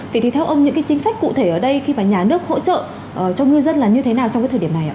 vậy thì theo ông những cái chính sách cụ thể ở đây khi mà nhà nước hỗ trợ cho ngư dân là như thế nào trong cái thời điểm này ạ